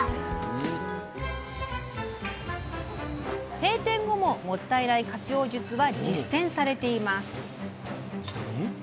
閉店後ももったいない活用術は実践されています。